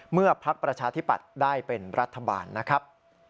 ภักดิ์ประชาธิปัตย์ได้เป็นรัฐบาลนะครับ